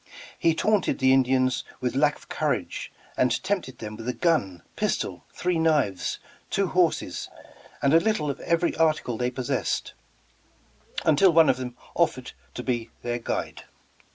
He taunted the Indians with lack of courage and tempted them with a gun, pistol, three knives, two horses and a little of every article they possessed, until one of them offered to be their guide.